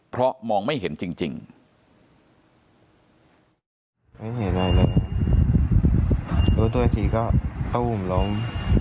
เพราะมองไม่เห็นจริง